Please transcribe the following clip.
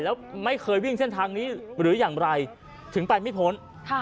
แล้วไม่เคยวิ่งเส้นทางนี้หรืออย่างไรถึงไปไม่พ้น